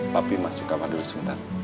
tapi masuk kamar dulu sebentar